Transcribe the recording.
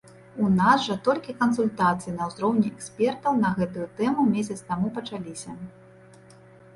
У нас жа толькі кансультацыі на ўзроўні экспертаў на гэтую тэму месяц таму пачаліся.